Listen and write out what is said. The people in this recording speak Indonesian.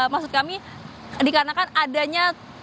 maksud kami dikarenakan adanya